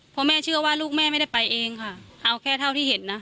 เพราะแม่เชื่อว่าลูกแม่ไม่ได้ไปเองค่ะเอาแค่เท่าที่เห็นนะ